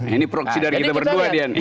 ini proxy dari kita berdua dian